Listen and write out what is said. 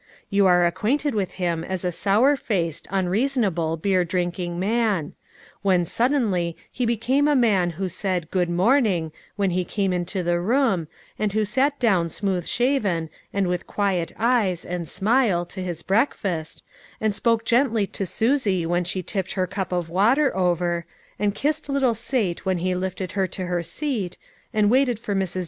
You are ac quainted with him as a .sour faced, unreasonable, beer drinking man ; when suddenly he became a man who said " Good morning " when he came into the room, and who sat down smooth shaven, and with quiet eyes and smile to his breakfast, and spoke gently to Susie when she tipped her cup of water over, and kissed little Sate when he lifted her to her seat, and waited for Mrs. 380 LITTLE FISHERS : AND THEIR NETS.